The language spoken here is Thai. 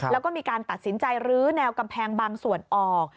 แล้วก็มีการตัดสินใจลื้อแนวกำแพงบางส่วนออก